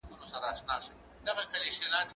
زه به تکړښت کړي وي،